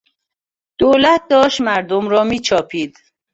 دولت داشت مردم را میچاپید.